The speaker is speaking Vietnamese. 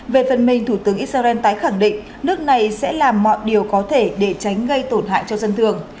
về phần mình thủ tướng israel tái khẳng định nước này sẽ làm mọi điều có thể để tránh gây tổn hại cho dân thường